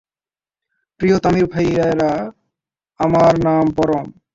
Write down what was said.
প্রিয় তামিঢ় ভাইয়েরা, আমার নাম পরম।